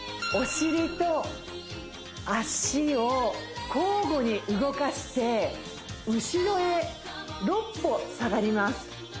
お尻と脚を交互に動かして後ろへ６歩下がります